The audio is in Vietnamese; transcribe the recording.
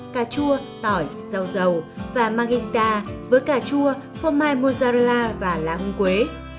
cà chua tỏi rau dầu và magenta với cà chua phô mai mozzarella và lá hung quế